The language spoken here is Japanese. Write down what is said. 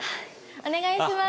お願いします